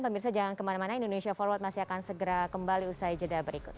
pemirsa jangan kemana mana indonesia forward masih akan segera kembali usai jeda berikut